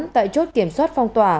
tại chốt kiểm soát phong tỏa